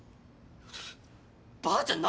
ばあちゃん！